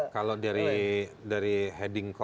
kalau dari heading